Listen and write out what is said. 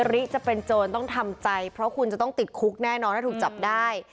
ริจะเป็นโจรต้องทำใจเพราะคุณจะต้องติดคุกแน่นอนถ้าถูกจับได้